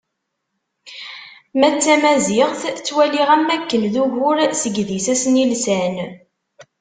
Ma d Tamaziɣt, ttwaliɣ am wakken d ugur seg yidis asnilsan.